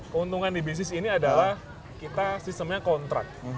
keuntungan di bisnis ini adalah kita sistemnya kontrak